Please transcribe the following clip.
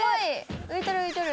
浮いてる浮いてる。